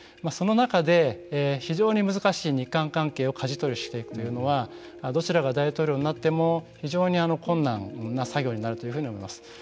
その中で非常に難しい日韓関係をかじ取りしていくというのはどちらが大統領になっても非常に困難な作業になるというふうに思います。